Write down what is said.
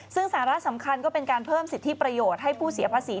ซึ่งสาระสำคัญก็เป็นการเพิ่มสิทธิประโยชน์ให้ผู้เสียภาษี